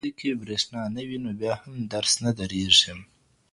که په ښوونځي کي برېښنا نه وي نو بیا هم درس نه درېږي.